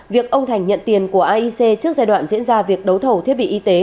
việc ông thành nhận tiền của aic trước giai đoạn diễn ra việc đấu thầu thiết bị y tế